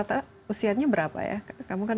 rata rata usianya berapa ya kamu kan dua belas